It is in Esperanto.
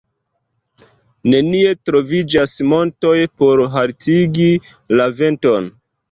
Nenie troviĝas montoj por haltigi la venton.